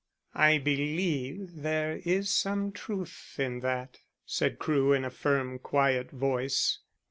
"I believe there is some truth in that," said Crewe, in a firm, quiet voice.